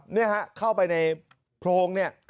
เนี่ยฮะเข้าไปในโพรงเนี่ย